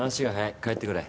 帰ってくれ。